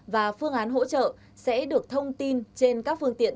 và phương án hỗ trợ sẽ được thông tin trên các phương tiện